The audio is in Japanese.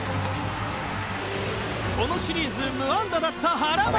このシリーズ無安打だった原も。